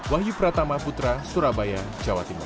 wahyu pratama putra surabaya jawa timur